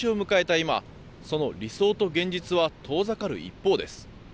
今その理想と現実は遠ざかる一方です。